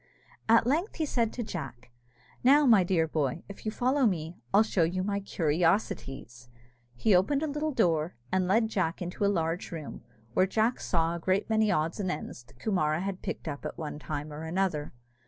At length said he to Jack, "Now, my dear boy, if you follow me, I'll show you my curiosities!" He opened a little door, and led Jack into a large room, where Jack saw a great many odds and ends that Coomara had picked up at one time or another.